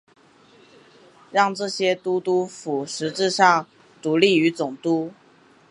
让这些都督府实质上独立于总督。